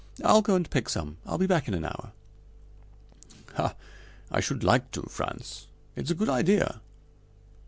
I'll go and pick some. I'll be back in an hour." "Ha! I should like to, Frantz; it's a good idea.